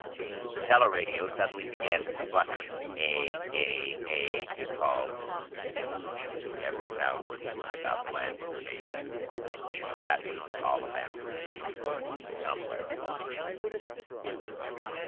The teleradio suddenly began to splutter: A A A, it called. And instantly every sound ceased about the landing stage. For that was the call of Axelson, somewhere upon the Moon.